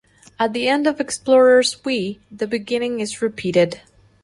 At the end of "Explorers We" the beginning is repeated.